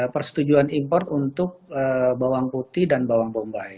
persetujuan import untuk bawang putih dan bawang bombay